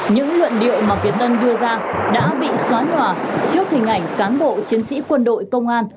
những luận điệu mà việt tân đưa ra đã bị xóa nhòa trước hình ảnh cán bộ chiến sĩ quân đội công an